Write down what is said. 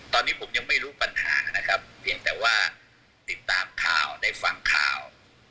ตอนนี้ผมยังไม่รู้ปัญหานะครับเพียงแต่ว่าติดตามข่าวได้ฟังข่าว